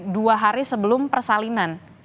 dua hari sebelum persalinan